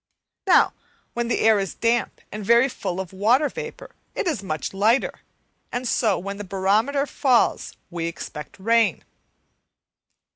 Now, when the air is damp and very full of water vapour it is much lighter, and so when the barometer falls we expect rain.